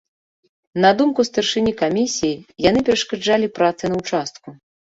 На думку старшыні камісіі, яны перашкаджалі працы на участку.